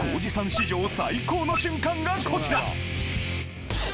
史上最高の瞬間がこちら！